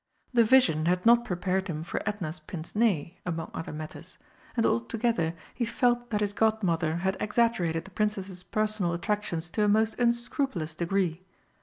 The vision had not prepared him for Edna's pince nez, among other matters, and altogether he felt that his Godmother had exaggerated the Princess's personal attractions to a most unscrupulous degree.